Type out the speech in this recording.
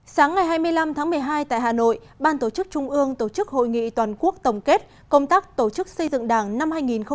sáng ngày hai mươi năm tháng một mươi hai tại hà nội ban tổ chức trung ương tổ chức hội nghị toàn quốc tổng kết công tác tổ chức xây dựng đảng năm hai nghìn một mươi chín